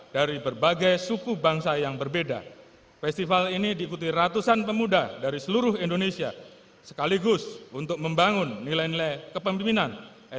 dan memiliki anggota yang berpengalaman